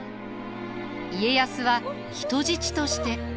家康は人質として。